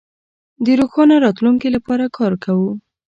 د روښانه راتلونکي لپاره کار کوو.